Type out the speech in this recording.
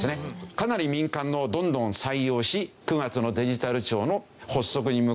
かなり民間をどんどん採用し９月のデジタル庁の発足に向かって準備が進んでいる。